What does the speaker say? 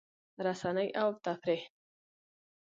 رسنۍ او تفریح